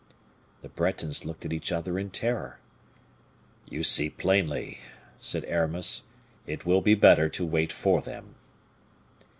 The Bretons looked at each other in terror. "You see plainly," said Aramis, "it will be better to wait for them."